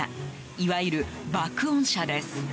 いわゆる爆音車です。